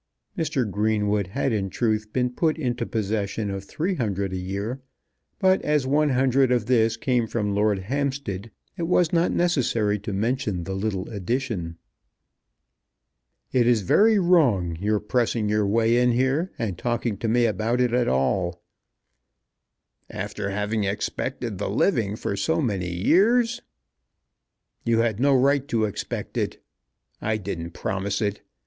Mr. Greenwood had in truth been put into possession of three hundred a year; but as one hundred of this came from Lord Hampstead it was not necessary to mention the little addition. "It is very wrong, your pressing your way in here and talking to me about it at all." "After having expected the living for so many years!" "You had no right to expect it. I didn't promise it.